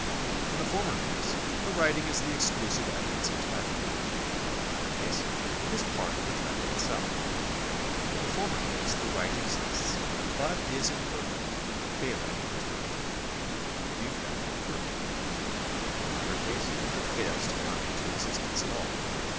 In the former case the writing is the exclusive evidence of title ; in the latter case it is part of the title itself. In the former case the right exists but is imperfect, failing in its remedy through defect of proof. In the latter case it fails to come into existence at all.